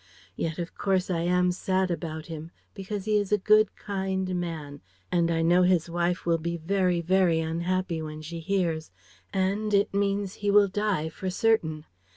Yet of course I am sad about him, because he is a good, kind man, and I know his wife will be very very unhappy when she hears And it means he will die, for certain.